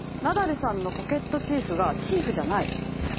ナダルさんのポケットチーフがチーフじゃない。